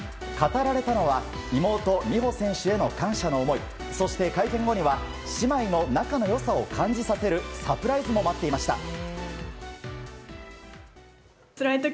語られたのは妹・美帆選手への感謝の思いそして、会見後には姉妹の仲の良さを感じさせるサプライズも待っていました。